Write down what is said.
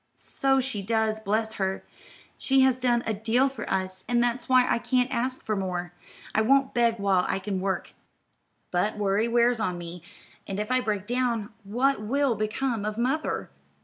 "So she does, bless her! She has done a deal for us, and that's why I can't ask for more. I won't beg while I can work, but worry wears on me, and if I break down what will become of mother?"